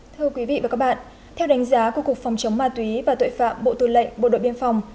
thưa quý vị và các bạn theo đánh giá của cục phòng chống ma túy và tội phạm bộ tư lệnh bộ đội biên phòng